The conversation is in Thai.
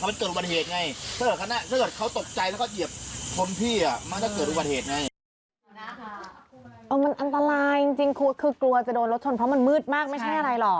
มันอันตรายจริงคือกลัวจะโดนรถชนเพราะมันมืดมากไม่ใช่อะไรหรอก